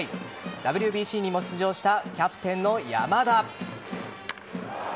ＷＢＣにも出場したキャプテンの山田。